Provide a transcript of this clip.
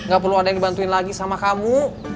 gak perlu ada yang dibantuin lagi sama kamu